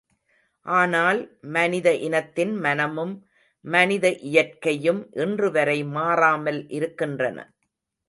ஆனால், மனித இனத்தின் மனமும் மனித இயற்கையும் இன்றுவரை மாறாமல் இருக்கின்றன.